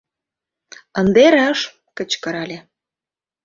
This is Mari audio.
— Ынде раш! — кычкырале.